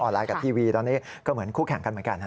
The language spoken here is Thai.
ไลน์กับทีวีตอนนี้ก็เหมือนคู่แข่งกันเหมือนกัน